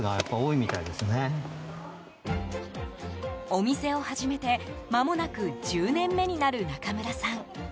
お店を始めて、まもなく１０年目になる中村さん。